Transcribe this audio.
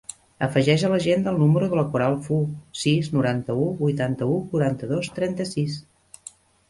Afegeix a l'agenda el número de la Coral Fu: sis, noranta-u, vuitanta-u, quaranta-dos, trenta-sis.